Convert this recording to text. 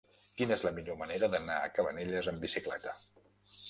Quina és la millor manera d'anar a Cabanelles amb bicicleta?